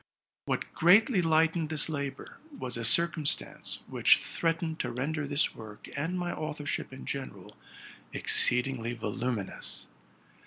What greatly lightened this labor was a circumstance RELATING TO MY LIFE. TE? which threatened to render this work, and my authorship in general, exceedingly voluminous.